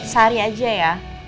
sehari aja ya